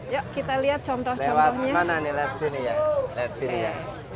yuk kita lihat contoh contohnya